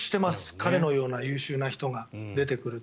彼のような優秀な人が出てくると。